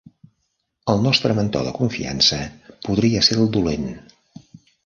El nostre mentor de confiança podria ser el dolent.